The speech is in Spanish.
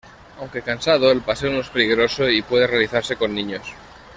Aunque cansado, el paseo no es peligroso y puede realizarse con niños.